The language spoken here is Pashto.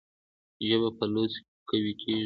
ژبه په لوست قوي کېږي.